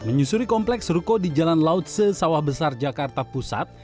menyusuri kompleks ruko di jalan laut sesawah besar jakarta pusat